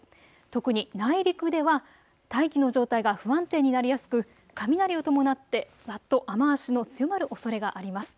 特に内陸では大気の状態が不安定になりやすく雷を伴ってざっと雨足の強まるおそれがあります。